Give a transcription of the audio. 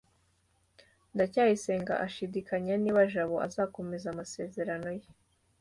ndacyayisenga ashidikanya niba jabo azakomeza amasezerano ye